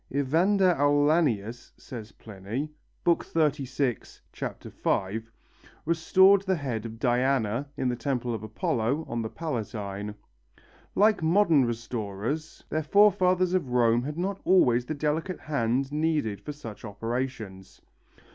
Evander Aulanius, says Pliny (XXXVI, 5), restored the head of Diana, in the temple of Apollo, on the Palatine. Like modern restorers, their forefathers of Rome had not always the delicate hand needed for such operations.